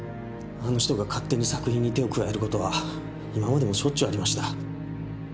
あの人が勝手に作品に手を加える事は今までもしょっちゅうありました。